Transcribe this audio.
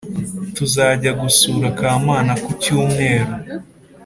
Tuzajya gusura Kamana ku cy’umweru